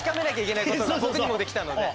ことが僕にもできたので。